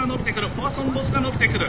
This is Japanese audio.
ポアソンボスが伸びてくる。